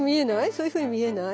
そういうふうに見えない？